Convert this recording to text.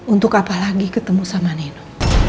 untuk apa lagi ketemu sama neno